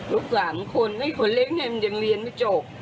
ลูก๓คนไม่ค่อยเล็กไงยังเรียนไม่จบ